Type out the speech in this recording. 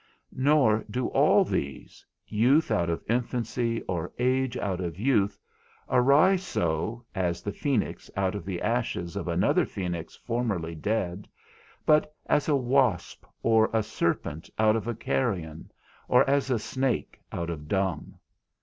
Nor do all these, youth out of infancy, or age out of youth, arise so, as the phoenix out of the ashes of another phoenix formerly dead, but as a wasp or a serpent out of a carrion, or as a snake out of dung.